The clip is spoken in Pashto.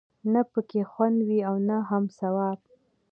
نه پکې خوند وي او نه هم ثواب.